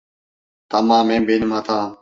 Tamamen benim hatam.